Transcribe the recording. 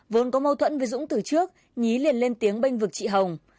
vốn có mâu thuẫn với dũng từ trước nhí liền lên tiếng bênh vực chị hồng